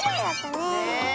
ねえ。